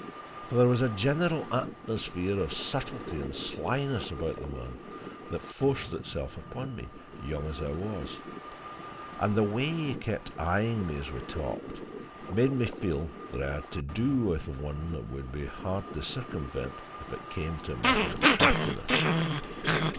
For there was a general atmosphere of subtlety and slyness about the man that forced itself upon me, young as I was; and the way he kept eyeing me as we talked made me feel that I had to do with one that would be hard to circumvent if it came to a matter of craftiness.